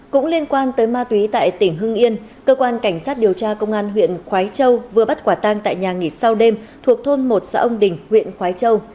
cũng liên quan tới ma túy tại tỉnh hưng yên cơ quan cảnh sát điều tra công an huyện khói châu vừa bắt quả tang tại nhà nghỉ sau đêm thuộc thôn một xã ông đình huyện khói châu